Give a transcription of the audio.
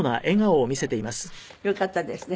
よかったですね。